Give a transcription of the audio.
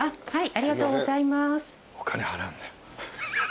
はい。